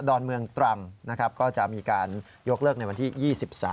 อนเมืองตรังนะครับก็จะมีการยกเลิกในวันที่๒๓